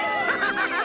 ハハハハッ！